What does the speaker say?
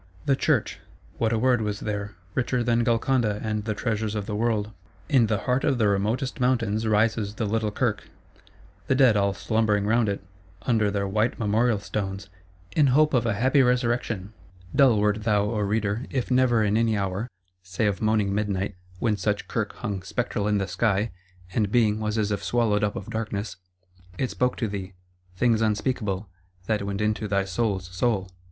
The Church: what a word was there; richer than Golconda and the treasures of the world! In the heart of the remotest mountains rises the little Kirk; the Dead all slumbering round it, under their white memorial stones, "in hope of a happy resurrection:"—dull wert thou, O Reader, if never in any hour (say of moaning midnight, when such Kirk hung spectral in the sky, and Being was as if swallowed up of Darkness) it spoke to thee—things unspeakable, that went into thy soul's soul.